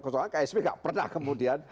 soalnya ksp gak pernah kemudian